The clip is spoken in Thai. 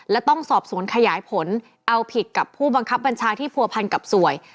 และต้องสอบสวนขยายผลเอาผิดกับผู้บังคับบัญชาที่ผัวพันกับสวย